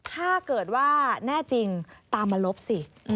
ถ้าเกิดว่าแน่จริงตามมาลบสิ